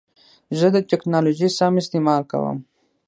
زه د ټکنالوژۍ سم استعمال کوم.